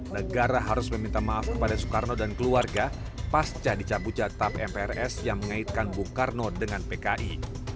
negara harus meminta maaf kepada soekarno dan keluarga pasca dicabutnya tap mprs yang mengaitkan bung karno dengan pki